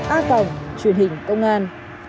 a phòng truyền hình công an